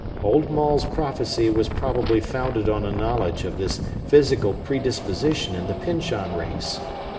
Old Maule's prophecy was probably founded on a knowledge of this physical predisposition in the Pyncheon race.